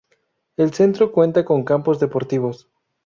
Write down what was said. El centro cuenta con campos deportivos.